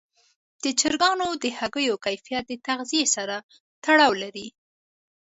د چرګانو د هګیو کیفیت د تغذیې سره تړاو لري.